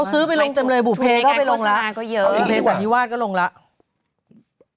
เขาซื้อไปลงเต็มเลยบุตรเพลย์ก็ไปลงแล้วบุตรเพลย์สัตว์พิวาสก็ลงแล้ว